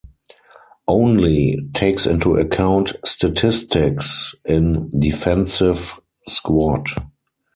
Only takes into account statistics in defensive squad.